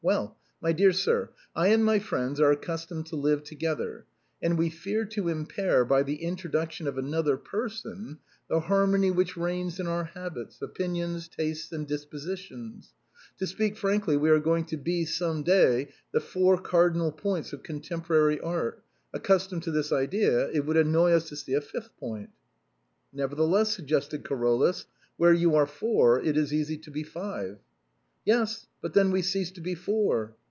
Well, my dear sir, I and my friends are accustomed to live together, and we fear to impair, by the introduction of another per son, the harmony which reigns in our habits, opinions, tastes, and dispositions. To speak frankly, we are going to be, some day, the four cardinal points of contemporary 136 THE BOHEMIANS OF THE LATIN QUARTER. art; accustomed to this idea, it would annoy us to see a fifth point." " Nevertheless," suggested Carolus, " where you are four it is easy to be five." " Yes, but then we cease to be four."